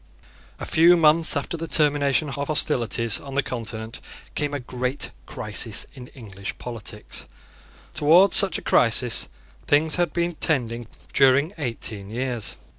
A few months after the termination of hostilities on the Continent came a great crisis in English politics. Towards such a crisis things had been tending during eighteen years.